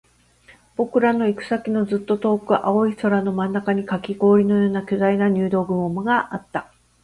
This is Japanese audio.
僕らの行く先のずっと遠く、青い空の真ん中にカキ氷のような巨大な入道雲があった